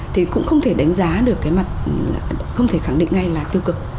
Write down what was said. thì cũng không thể đánh giá được cái mặt không thể khẳng định ngay là tiêu cực